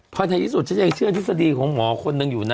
พอในที่สุดฉันยังเชื่อทฤษฎีของหมอคนหนึ่งอยู่นะ